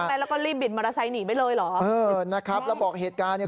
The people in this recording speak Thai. แล้วก็รีบบินมรสัยหนีไปเลยเหรอเออนะครับแล้วบอกเหตุการณ์เนี้ย